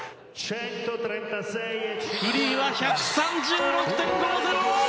フリーは１３６．５０。